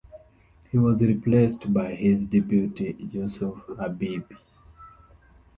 He was replaced by his deputy Jusuf Habibie.